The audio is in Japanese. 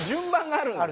あるんです。